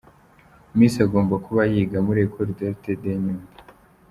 Miss agomba kuba yiga muri Ecole d’Art de Nyundo.